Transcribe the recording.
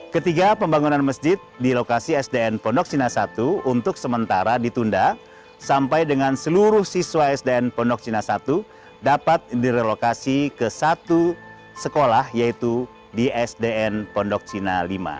ketiga pembangunan masjid di lokasi sdn pondok cina satu untuk sementara ditunda sampai dengan seluruh siswa sdn pondok cina satu dapat direlokasi ke satu sekolah yaitu di sdn pondok cina lima